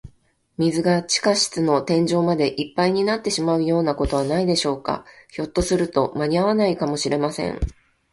水が地下室の天井までいっぱいになってしまうようなことはないでしょうか。ひょっとすると、まにあわないかもしれません。